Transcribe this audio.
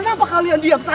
kenapa kalian diam saja